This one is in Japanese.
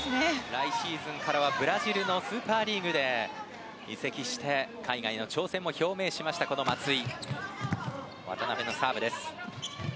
来シーズンからはブラジルのスーパーリーグへ移籍して海外への挑戦も表明した松井。